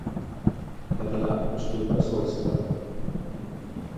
Der Belag besteht aus Holzbrettern.